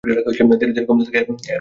ধীরে ধীরে কমতে থাকে এর পাঠক সংখ্যা।